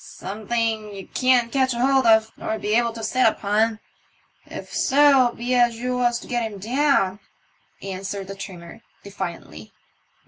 " Something ye can't catch hold of, nor'd be able to sit upon, if so be as you was to get him down," answered the trimmer, defiantly.